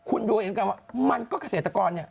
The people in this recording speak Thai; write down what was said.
คุณดูเองกันว่ามันก็เกษตรกรเนี่ย